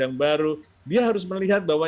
yang baru dia harus melihat bahwa